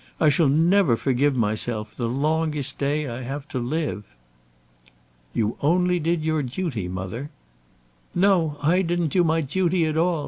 I shall never forgive myself, the longest day I have to live." "You only did your duty, mother." "No; I didn't do my duty at all.